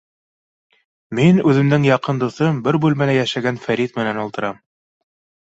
Мин үҙемдең яҡын дуҫым, бер бүлмәлә йәшәгән Фәрит менән ултырам.